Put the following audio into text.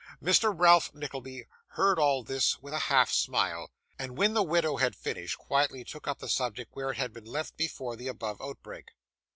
Mr. Ralph Nickleby heard all this with a half smile; and when the widow had finished, quietly took up the subject where it had been left before the above outbreak.